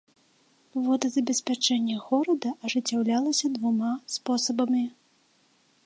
Водазабеспячэнне горада ажыццяўлялася двума спосабамі.